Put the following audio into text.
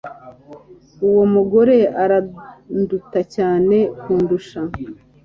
Uwo mugore aranduta cyane kundusha